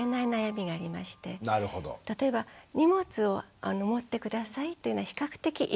例えば荷物を持って下さいっていうのは比較的言いやすい。